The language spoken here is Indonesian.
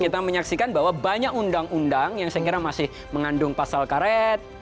kita menyaksikan bahwa banyak undang undang yang saya kira masih mengandung pasal karet